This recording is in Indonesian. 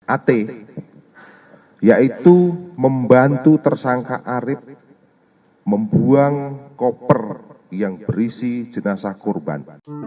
at yaitu membantu tersangka arief membuang koper yang berisi jenazah korban